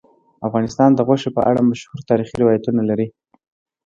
افغانستان د غوښې په اړه مشهور تاریخی روایتونه لري.